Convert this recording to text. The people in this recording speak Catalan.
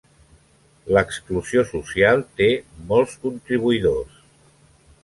L'exclusió social té molts contribuïdors.